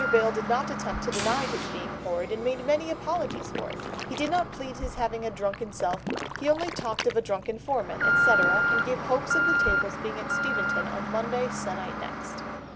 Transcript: Bayle did not attempt to deny his being horrid, and made many apologies for it; he did not plead his having a drunken self, he talked only of a drunken foreman, etc., and gave hopes of the tables being at Steventon on Monday se'nnight next."